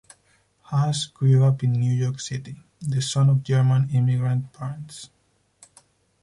Huss grew up in New York City, the son of German immigrant parents.